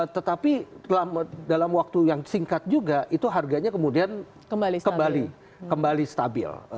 tetapi dalam waktu yang singkat juga itu harganya kemudian kembali stabil